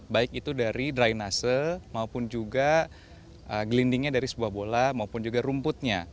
baik itu dari drainase maupun juga gelindingnya dari sebuah bola maupun juga rumputnya